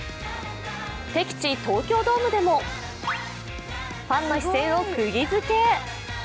敵地・東京ドームでもファンの視線をくぎづけ。